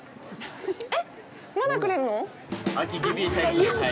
えっ？まだくれるの？